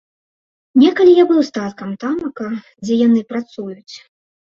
Некалі я быў з таткам тамака, дзе яны працуюць.